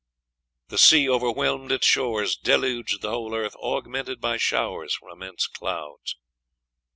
The sea overwhelmed its shores, deluged the whole earth, augmented by showers from immense clouds."